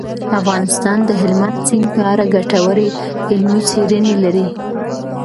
افغانستان د هلمند سیند په اړه ګټورې علمي څېړنې لري.